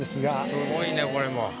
すごいねこれも。